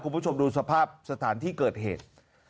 คุณผู้ชมดูสภาพสถานที่เกิดเหตุ